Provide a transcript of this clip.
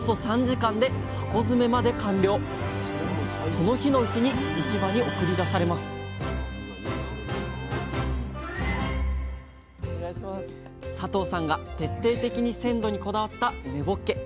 その日のうちに市場に送り出されます佐藤さんが徹底的に鮮度にこだわった根ぼっけ。